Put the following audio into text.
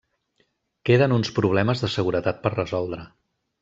Queden uns problemes de seguretat per resoldre.